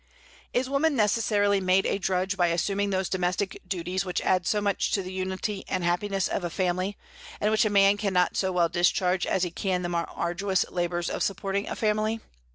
Is woman necessarily made a drudge by assuming those domestic duties which add so much to the unity and happiness of a family, and which a man cannot so well discharge as he can the more arduous labors of supporting a family?